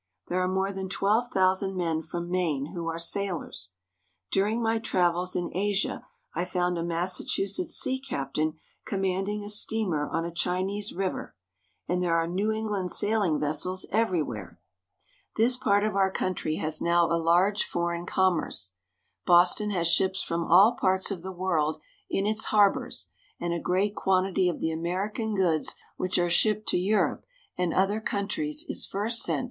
There are more than twelve thousand men from Maine who are sailors. During my travels in Asia I found a Massachusetts sea captain com manding a steamer on a Chinese river, and there are New England sailing vessels everywhere. This part of our COMMERCE. 8l country has now a large foreign commerce. Boston has ships from all parts of the world in its harbors, and a great quantity of the American goods which are shipped to Eu rope and other countries is first sent to Boston.